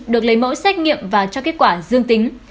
được lấy mẫu xét nghiệm và cho kết quả dương tính